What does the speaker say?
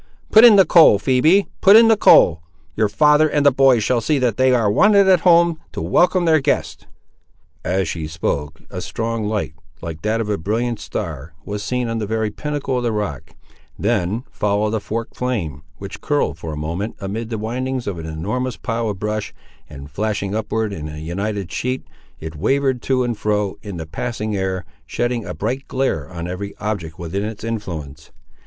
Put in the coal, Phoebe; put in the coal; your father and the boys shall see that they are wanted at home, to welcome their guests." As she spoke, a strong light, like that of a brilliant star, was seen on the very pinnacle of the rock; then followed a forked flame, which curled for a moment amid the windings of an enormous pile of brush, and flashing upward in an united sheet, it wavered to and fro, in the passing air, shedding a bright glare on every object within its influence.